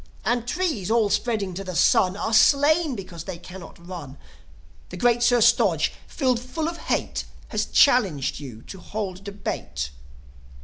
And trees, all spreading to the sun, Are slain because they cannot run. The great Sir Stodge, filled full of hate, Has challenged you to hold debate.